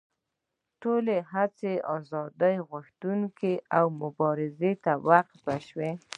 ټولې هڅې ازادي غوښتنې او مبارزو ته وقف شوې.